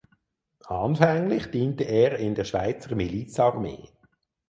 Anfänglich diente er in der Schweizer Milizarmee.